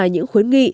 những khuyến nghị